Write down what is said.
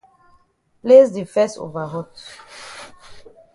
Place di fes over hot.